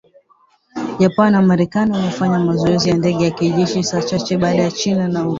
Japan na Marekani wamefanya mazoezi ya ndege za kijeshi saa chache baada ya China na Urusi